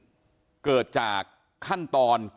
สาเหตุการเสียชีวิตจากการดูดไขมันเนี่ยคุณหมอคณิตบอกว่ามันมีหลัก